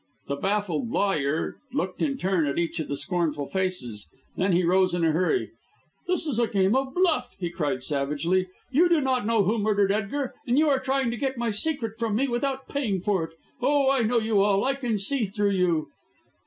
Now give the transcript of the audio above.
The baffled lawyer looked in turn at each of the scornful faces. Then he rose in a hurry. "This is a game of bluff," he cried savagely. "You do not know who murdered Edgar, and you are trying to get my secret from me without paying for it. Oh, I know you all; I can see through you."